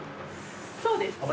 そうですね。